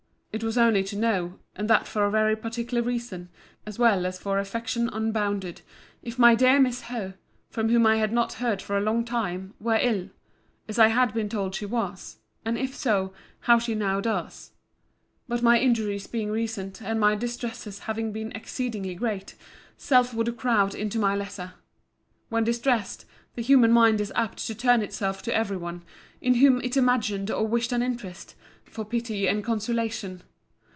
It was only to know, and that for a very particular reason, as well as for affection unbounded, if my dear Miss Howe, from whom I had not heard of a long time, were ill; as I had been told she was; and if so, how she now does. But my injuries being recent, and my distresses having been exceeding great, self would crowd into my letter. When distressed, the human mind is apt to turn itself to every one, in whom it imagined or wished an interest, for pity and consolation.